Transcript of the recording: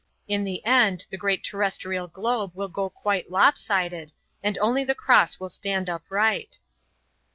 In the end the great terrestrial globe will go quite lop sided, and only the cross will stand upright."